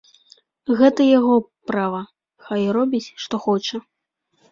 Гэта яго права, хай робіць, што хоча.